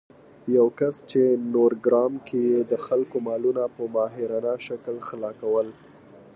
یو کس چې نورګرام کې يې د خلکو مالونه په ماهرانه شکل غلا کول